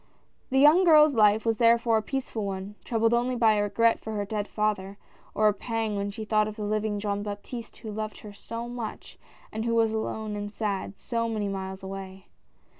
The young girl's life was therefore a peaceful one, troubled only by a regret for her dead father, or a pang when she thought of the living Jean Baptiste who loved her so much, and who was alone and sad, so many miles away.